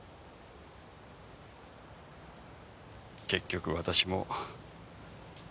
結局私も。